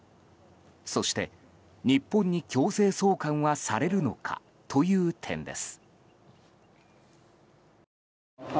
そして日本に強制送還はされるのかという点です。